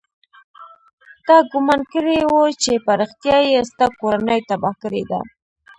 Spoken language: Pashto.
تا ګومان کړى و چې په رښتيا يې ستا کورنۍ تباه کړې ده.